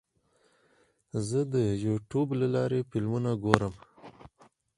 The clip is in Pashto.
زه د یوټیوب له لارې فلمونه ګورم.